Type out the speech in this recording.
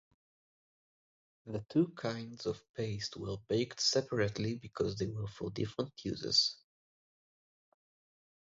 The two kinds of paste were baked separately because they were for different uses.